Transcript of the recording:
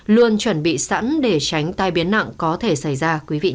luôn chuẩn bị sẵn để tránh tai biến nặng có thể xảy ra